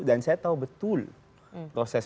dan saya tahu betul proses